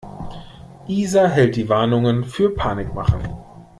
Isa hält die Warnungen für Panikmache.